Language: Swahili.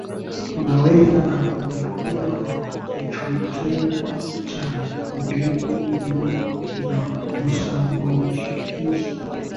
unaweza na umekuwa kichocheo cha mbinu za kusuluhisha